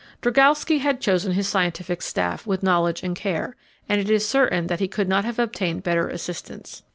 Drygalski had chosen his scientific staff with knowledge and care, and it is certain that he could not have obtained better assistants.